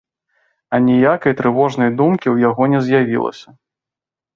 Аніякай трывожнай думкі ў яго не з'явілася.